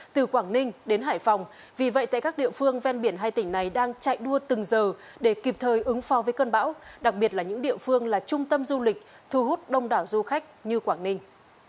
từ quảng ninh đến hải phòng vì vậy tại các địa phương ven biển hai tỉnh này đang chạy đua từng giờ để kịp thời ứng pho với cơn bão đặc biệt là những địa phương là trung tâm du lịch thu hút đông đảo du khách như quảng ninh